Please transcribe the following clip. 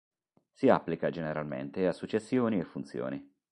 Si applica generalmente a successioni e funzioni.